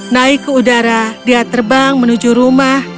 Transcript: naik ke udara dia terbang menuju rumah